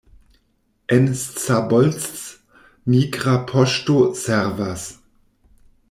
En Szabolcs migra poŝto servas.